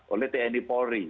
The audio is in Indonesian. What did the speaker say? oleh tni polri